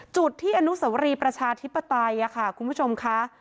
จุดที่อนุสวรีประชาธิปไตยค่ะคุณผู้ชมค่ะ